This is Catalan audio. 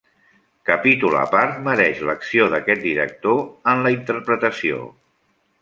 Capítol a part mereix l'acció d'aquest director en la interpretació.